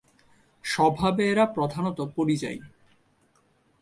স্বভাবে এরা প্রধানত পরিযায়ী।